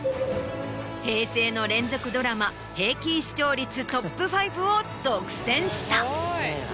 平成の連続ドラマ平均視聴率トップ５を独占した。